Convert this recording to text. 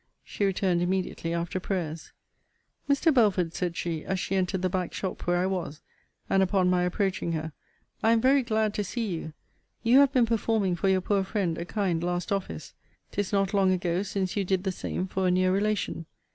She returned immediately after prayers. Mr. Belford, said she, as she entered the back shop where I was, (and upon my approaching her,) I am very glad to see you. You have been performing for your poor friend a kind last office. 'Tis not long ago since you did the same for a near relation.